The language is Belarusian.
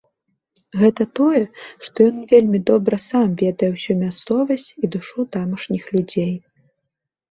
Гэта тое, што ён вельмі добра сам ведае ўсю мясцовасць і душу тамашніх людзей.